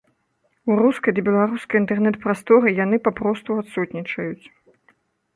У рускай ды беларускай інтэрнэт-прасторы яны папросту адсутнічаюць.